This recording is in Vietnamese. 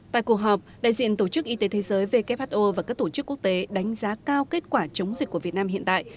tại cuộc họp đại diện tổ chức y tế thế giới who và các tổ chức quốc tế đánh giá cao kết quả chống dịch của việt nam hiện tại